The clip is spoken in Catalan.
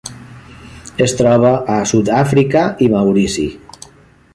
Es troba a Sud-àfrica i Maurici.